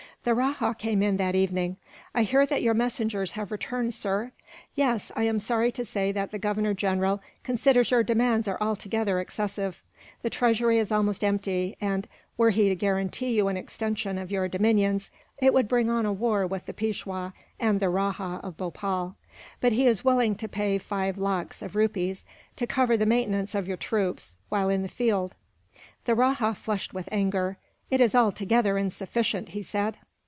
The rajah came in that evening. "I hear that your messengers have returned, sir." "Yes; I am sorry to say that the Governor General considers your demands are altogether excessive. The treasury is almost empty and, were he to guarantee you an extension of your dominions, it would bring on a war with the Peishwa and the Rajah of Bhopal; but he is willing to pay five lakhs of rupees, to cover the maintenance of your troops while in the field." The rajah flushed with anger. "It is altogether insufficient," he said.